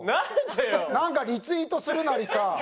なんかリツイートするなりさ。